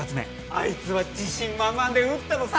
あいつは自信満々で撃ったのさ。